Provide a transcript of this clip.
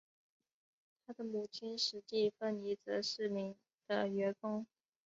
他的母亲史蒂芬妮则是名的员工。